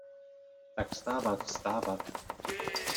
Tak vstávat, vstávat!